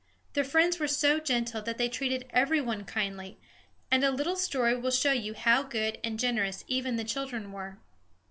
The Friends were so gentle that they treated every one kindly, and a little story will show you how good and generous even the children were.